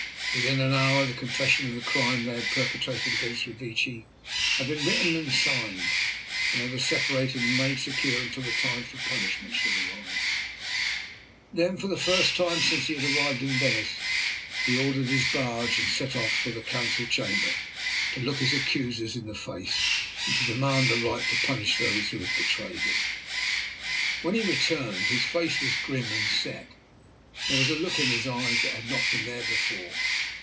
Within an hour the confession of the crime they had perpetrated against Revecce had been written and signed, and they were separated and made secure until the time for punishment should arrive. Then, for the first time since he had arrived in Venice, he ordered his barge and set off for the Council Chamber to look his accusers in the face and to demand the right to punish those who had betrayed him. [Illustration: "Throwing open the secret door ... he confronted them."] When he returned his face was grim and set, and there was a look in his eyes that had not been there before.